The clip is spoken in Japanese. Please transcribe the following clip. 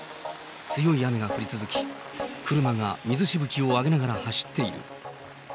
強い雨が降り続き、車が水しぶきを上げながら走っている。